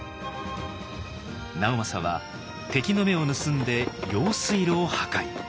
直政は敵の目を盗んで用水路を破壊。